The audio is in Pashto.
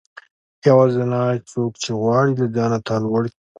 يوازنی څوک چې غواړي له ځانه تا لوړ وګورئ